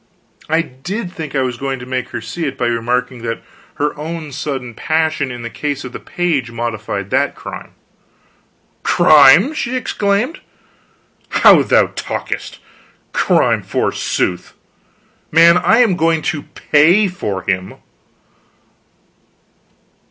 I did think I was going to make her see it by remarking that her own sudden passion in the case of the page modified that crime. "Crime!" she exclaimed. "How thou talkest! Crime, forsooth! Man, I am going to pay for him!"